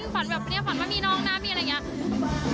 ฝันว่ามีน้องหน้ามีอะไรอย่างเงี้ย